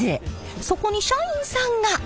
そこに社員さんが！